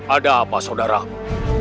ada apa saudaraku